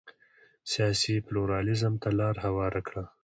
سیاسي پلورالېزم ته لار هواره کړه.